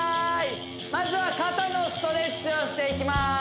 まずは肩のストレッチをしていきます